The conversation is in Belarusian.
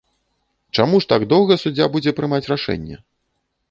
Чаму ж так доўга суддзя будзе прымаць рашэнне?